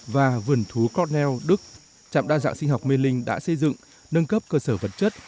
và vườn thú cornell đức trạm đa dạng sinh học mê linh đã xây dựng nâng cấp cơ sở vật chất